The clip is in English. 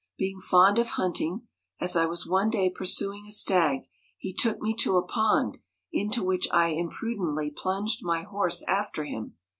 Being fond of hunting, as I was one day pursuing a stag, he took me to a pond, into which I imprudently plunged my horse after him.